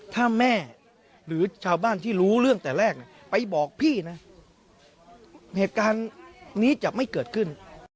ถ้าแม่หรือชาวบ้านที่รู้เรื่องแต่แรกไปบอกพี่นะเหตุการณ์นี้จะไม่เกิดขึ้น